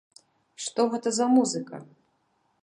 Што гэта за музыка?